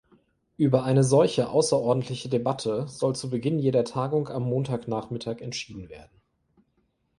Über eine solche außerordentliche Debatte soll zu Beginn jeder Tagung am Montagnachmittag entschieden werden.